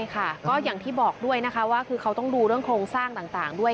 ค่ะก็อย่างที่บอกด้วยนะคะว่าคือเขาต้องดูเรื่องโครงสร้างต่างด้วย